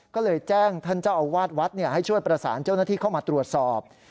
ก็เลยแจ้งท่านเจ้าอาวาสวัดให้ช่วยประสานเจ้าหน้าที่เข้ามาตรวจสอบ